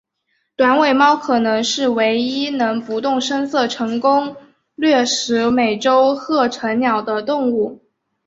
短尾猫可能是唯一能不动声色成功掠食美洲鹤成鸟的动物。